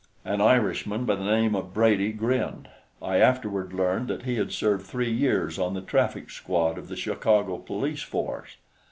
An Irishman by the name of Brady grinned. I afterward learned that he had served three years on the traffic squad of the Chicago police force.